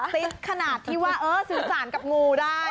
ซิสขนาดที่ว่าเออสื่อสารกับงูได้